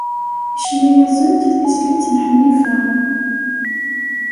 Yecna-yasen-d tizlit n Ḥnifa.